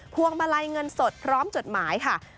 วงมาลัยเงินสดพร้อมจดหมายค่ะ